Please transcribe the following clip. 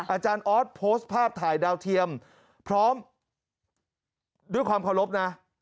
อาจารย์ออสโพสต์ภาพถ่ายดาวเทียมพร้อมด้วยความเคารพนะ